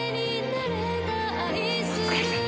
お疲れさま。